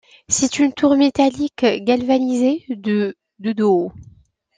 C'est une tour métallique galvanisée, de de haut.